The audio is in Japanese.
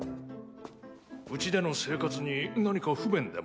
うちでの生活に何か不便でも？